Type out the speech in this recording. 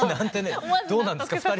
どうなんですか？